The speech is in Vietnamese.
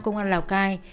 công an lào cai